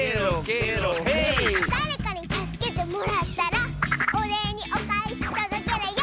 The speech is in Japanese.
だれかにたすけてもらったらおれいにおかえしとどケロよ